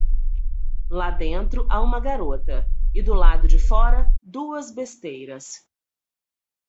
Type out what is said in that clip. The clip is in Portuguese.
Lá dentro há uma garota e, do lado de fora, duas besteiras.